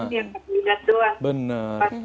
mungkin yang kecilinan doang